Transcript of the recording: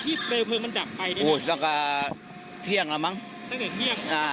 เปลวเพลิงมันดับไปได้พูดตั้งแต่เที่ยงแล้วมั้งตั้งแต่เที่ยงอ่า